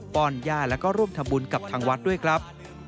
้อนย่าแล้วก็ร่วมทำบุญกับทางวัดด้วยครับ